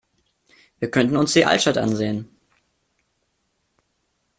Wir könnten uns die Altstadt ansehen.